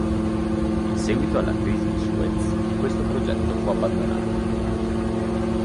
In seguito alla Crisi di Suez, questo progetto fu abbandonato.